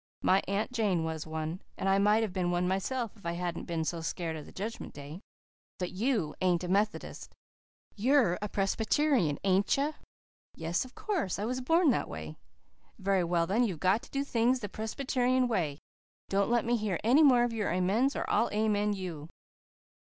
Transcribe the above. My Aunt Jane was one, and I might have been one myself if I hadn't been so scared of the Judgment Day. But you ain't a Methodist. You're a Presbyterian, ain't you?" "Yes, of course. I was born that way." "Very well then, you've got to do things the Presbyterian way. Don't let me hear any more of your amens or I'll amen you."